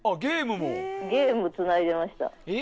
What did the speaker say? ゲームつないでいました。